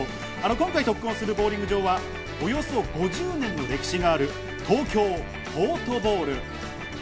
今回特訓するボウリング場はおよそ５０年の歴史がある東京ポートボウル。